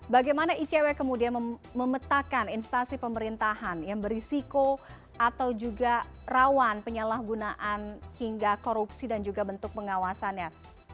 bagaimana icw kemudian memetakan instansi pemerintahan yang berisiko atau juga rawan penyalahgunaan hingga korupsi dan juga bentuk pengawasannya